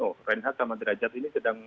oh reinhardt sama deraja ini sedang